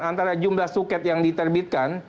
antara jumlah suket yang diterbitkan